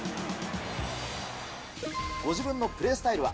ご自分のプレースタイルは？